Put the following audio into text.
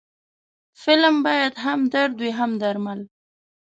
فلم باید هم درد وي، هم درمل